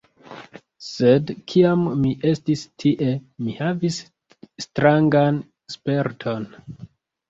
Sed, kiam mi estis tie, mi havis strangan sperton: